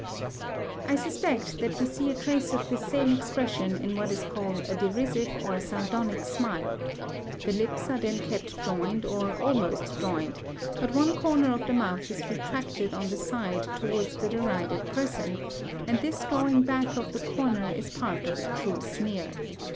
I suspect that we see a trace of this same expression in what is called a derisive or sardonic smile. The lips are then kept joined or almost joined, but one corner of the mouth is retracted on the side towards the derided person; and this drawing back of the corner is part of a true sneer.